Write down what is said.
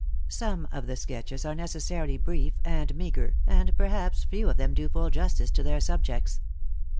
Some of the sketches are necessarily brief and meagre, and perhaps few of them do full justice to their subjects.